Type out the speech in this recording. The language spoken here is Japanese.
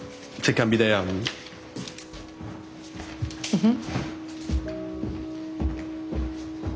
うん。